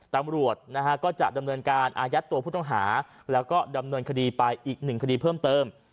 ตำรวจนะฮะก็จะดำเนินการอายัดตัวผู้ต้องหาแล้วก็ดำเนินคดีไปอีกหนึ่งคดีเพิ่มเติม